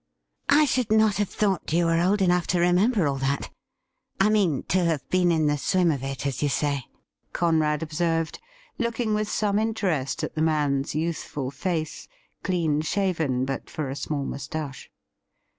MR. ALBERT EDWARD WALEY 35 'I should not have thought you were old enough to remember all that ^I mean, to have been in the swim of it, as you say,' Conrad observed, looking with some interest at the man's youthful face, clean shaven but for a small moustache.